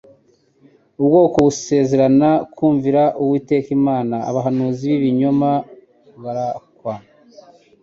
ubwoko busezerana kumvira Uwiteka Imana, abahanuzi b'ibinyoma barkwa.